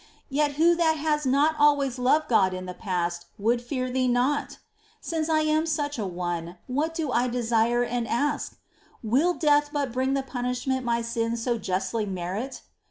Yet who that has not always loved God in the past would fear thee not ? Since I am such a one, what do I desire and ask ? Will death but bring the punishment my sins so justly merit